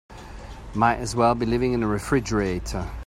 Might as well be living in a refrigerator.